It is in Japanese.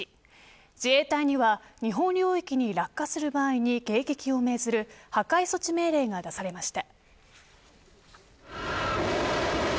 自衛隊には日本領域に落下する場合に迎撃を命じる破壊措置命令が出されました。